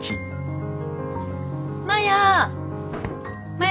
マヤ。